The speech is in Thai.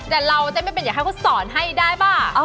แต่เราเต้นเป็นเป็นอย่างไข้เขาสอนให้ได้ป่ะ